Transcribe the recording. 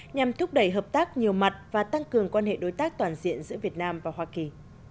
nhằm thúc đẩy hợp tác nhiều mặt và tăng cường quan hệ đối tác toàn diện giữa việt nam và hoa kỳ